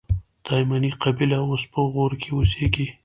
تایمني قبیله اوس په غور کښي اوسېږي.